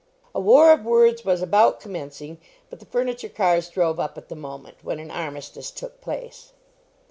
A war of words was about commencing, but the furniture cars drove up at the moment, when an armistice took place.